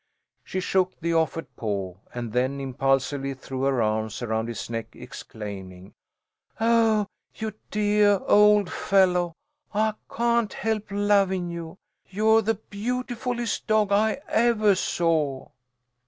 She shook the offered paw, and then impulsively threw her arms around his neck, exclaiming, "Oh, you deah old fellow! I can't help lovin' you. You're the beautifulest dog I evah saw!"